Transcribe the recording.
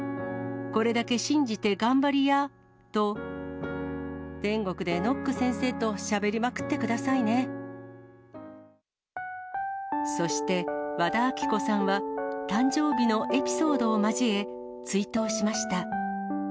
これだけ信じて頑張りやと、天国でノック先生としゃべりまくそして和田アキ子さんは、誕生日のエピソードを交え、追悼しました。